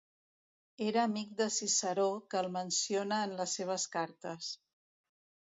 Era amic de Ciceró que el menciona en les seves cartes.